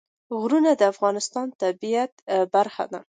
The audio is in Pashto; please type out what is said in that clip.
غرونه د افغانستان د طبیعت برخه ده.